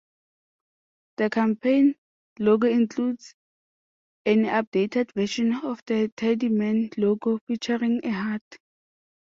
The campaign logo includes an updated version of the Tidyman logo featuring a heart.